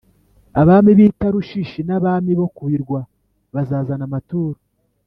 abami b’i tarushishi n’abami bo ku birwa bazazana amaturo.